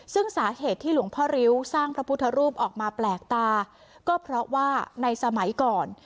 ซึ่งสาเหตุที่หลวงพ่อริ้วสร้างพระพุทธรูปออกมาแปลกตาก็เพราะว่าในสมัยก่อน